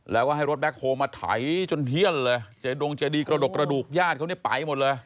แล้วว่าให้รถแบคโฮมาไถจนเฮี้ยนเลยจะดงจะดีกระดูกญาติเขาเนี่ยไปหมดเลย